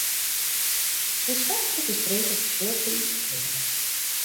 De soarchgroep is freed offisjeel fallyt ferklearre.